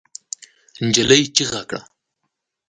نجلۍ چيغه کړه.